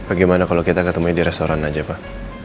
bagaimana kalau kita ketemu di restoran aja pak